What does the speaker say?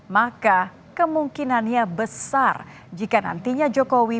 maka kemungkinannya besar jika nantinya jokowi